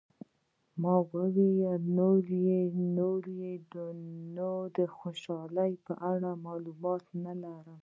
ما وویل، نور یې نو د خوشحالۍ په اړه معلومات نه لرم.